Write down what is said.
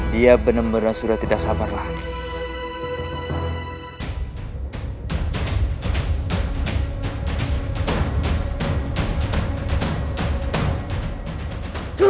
dia benar benar sudah tidak sabar lagi